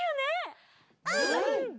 うん！